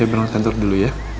saya berangkat kantor dulu ya